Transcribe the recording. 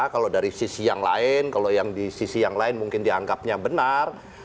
kalau dari sisi yang lain kalau yang di sisi yang lain mungkin dianggapnya benar